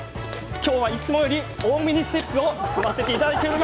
今日は、いつもより多めにステップを踏ませていただいております。